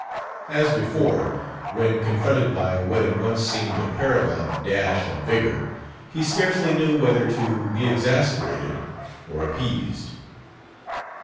As before, when confronted by what had once seemed a paragon of dash and vigor, he scarcely knew whether to be exasperated or appeased.